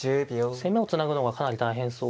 攻めをつなぐのがかなり大変そうで。